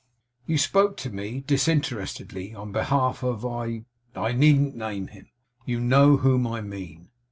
You spoke to me, disinterestedly, on behalf of I needn't name him. You know whom I mean.